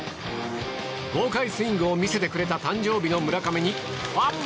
豪快スイングを見せてくれた誕生日の村上にファンも。